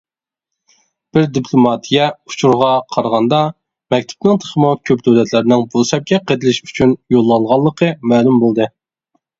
بىر دىپلوماتىيە ئۇچۇرىغا قارىغاندا، مەكتۇپنىڭ تېخىمۇ كۆپ دۆلەتلەرنىڭ بۇ سەپكە قېتىلىشى ئۈچۈن يوللانغانلىقى مەلۇم بولدى.